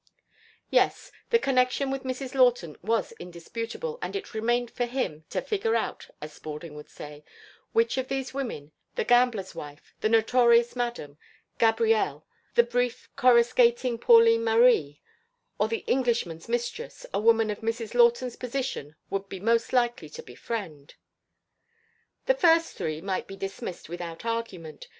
Yes, the connection with Mrs. Lawton was indisputable and it remained for him to "figger out" as Spaulding would say, which of these women, the gambler's wife, the notorious "Madam," Gabrielle, the briefly coruscating Pauline Marie, or the Englishman's mistress, a woman of Mrs. Lawton's position would be most likely to befriend. The first three might be dismissed without argument.